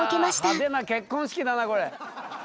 うわ派手な結婚式だなこれ。